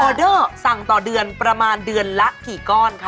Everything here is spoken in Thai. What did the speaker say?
เดอร์สั่งต่อเดือนประมาณเดือนละกี่ก้อนคะ